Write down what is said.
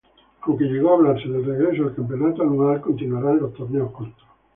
Aunque llegó a hablarse del regreso del campeonato anual, continuarán los torneos cortos.